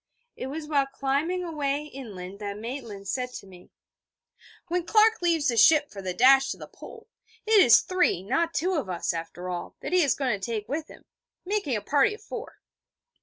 It was while climbing away inland that Maitland said to me: 'When Clark leaves the ship for the dash to the Pole, it is three, not two, of us, after all, that he is going to take with him, making a party of four.'